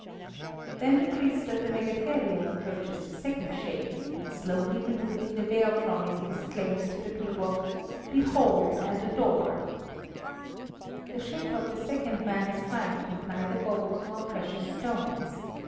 Then the priest of the megatherium approaches the second shape, and slowly removing the veil from it exclaims to the people: "Behold and adore!" The shape of the second man is bright with neither gold nor precious stones.